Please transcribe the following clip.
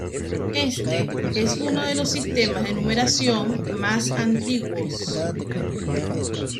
Éste es uno de los sistemas de numeración más antiguos.